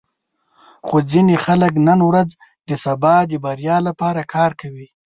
خو ځینې خلک نن ورځ د سبا د بریا لپاره کار کوي.